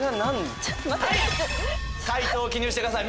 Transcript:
解答を記入してください